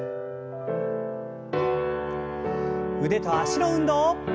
腕と脚の運動。